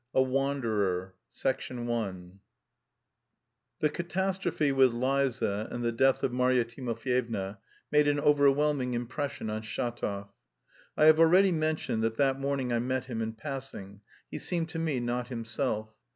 A WANDERER I THE CATASTROPHE WITH Liza and the death of Marya Timofyevna made an overwhelming impression on Shatov. I have already mentioned that that morning I met him in passing; he seemed to me not himself.